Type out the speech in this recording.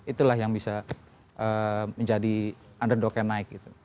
itulah yang bisa menjadi underdog yang naik gitu